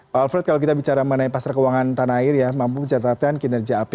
pak alfred kalau kita bicara mengenai pasar keuangan tanah air ya mampu mencatatkan kinerja api